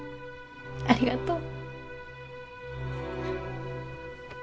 ありがとう。